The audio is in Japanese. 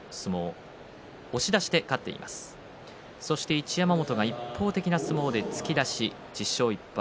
一山本が一方的な相撲で突き出し１０勝１敗。